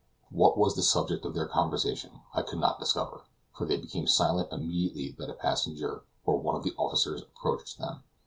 What was the subject of their conversation I could not discover, for they became silent immediately that a passenger or one of the officers approached them.